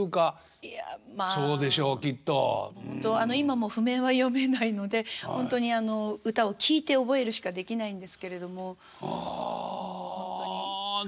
今も譜面は読めないのでほんとに歌を聴いて覚えるしかできないんですけれどももうほんとに。